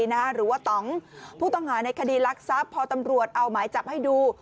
หรือว่าต่องผู้ต้องหาในคดีรักทรัพย์พอตำรวจเอาหมายจับให้ดู